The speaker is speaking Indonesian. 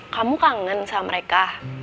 kamu kangen sama mereka